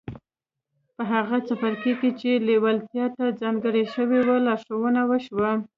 په هغه څپرکي کې چې لېوالتیا ته ځانګړی شوی و لارښوونه وشوه.